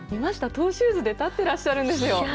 トゥーシューズで立ってらっしゃるんですよ。